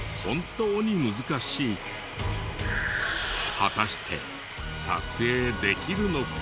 果たして撮影できるのか？